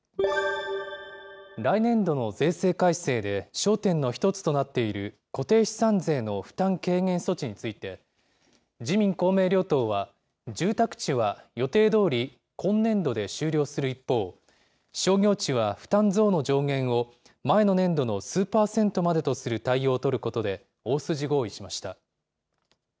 来年度の税制改正で焦点の一つとなっている固定資産税の負担軽減措置について、自民、公明両党は、住宅地は予定どおり、今年度で終了する一方、商業地は負担増の上限を、前の年度の数％までとする対応を取ることで、大筋合意しました。